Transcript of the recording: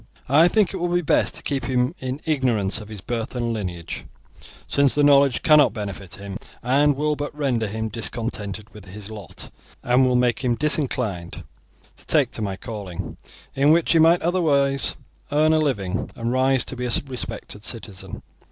I think it will be best to keep him in ignorance of his birth and lineage, since the knowledge cannot benefit him, and will but render him discontented with his lot and make him disinclined to take to my calling, in which he might otherwise earn a living and rise to be a respected citizen.